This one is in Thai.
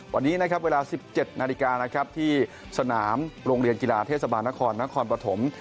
วันนี้เวลา๑๗นาฬิกาที่สนามโรงเรียนกีฬาเทศบาลนครนครปฐม